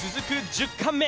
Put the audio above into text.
１０貫目